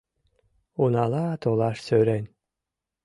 Унала толаш сӧрен